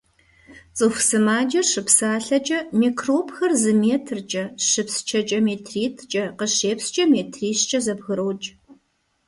ЦӀыху сымаджэр щыпсалъэкӀэ микробхэр зы метркӀэ, щыпсчэкӀэ метритӏкӀэ, къыщепскӀэ метрищкӀэ зэбгрокӀ.